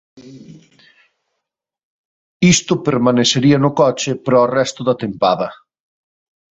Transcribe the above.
Isto permanecería no coche para o resto da tempada.